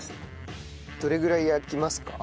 どれぐらい焼きますか？